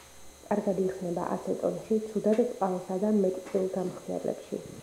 კარგად იხსნება აცეტონში, ცუდად წყალსა და მეტ წილ გამხსნელებში.